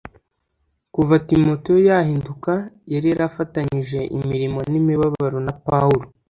Kuva Timoteyo yahinduka, yari yarafatanyije imirimo n’imibabaro na Pawulo,